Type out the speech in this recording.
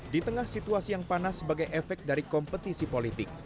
di tengah situasi yang panas sebagai efek dari kompetisi politik